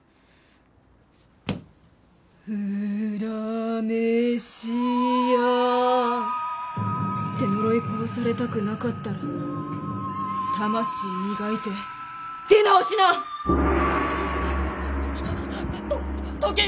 うらめしや。って呪い殺されたくなかったら魂磨いて出直しな！と時計